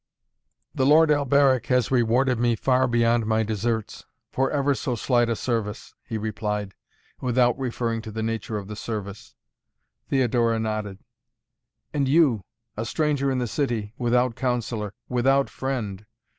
"The Lord Alberic has rewarded me, far beyond my deserts, for ever so slight a service," he replied, without referring to the nature of the service. Theodora nodded. "And you a stranger in the city, without counsellor without friend.